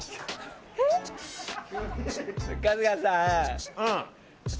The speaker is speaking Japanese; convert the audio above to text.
春日さん？